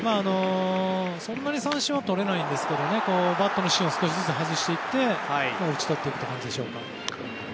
そんなに三振はとれないんですがバットの芯を少しずつ外していって打ち取っていく感じでしょうか。